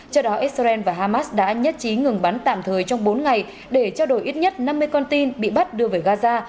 trước đó israel và hamas đã nhất trí ngừng bắn tạm thời trong bốn ngày để trao đổi ít nhất năm mươi con tin bị bắt đưa về gaza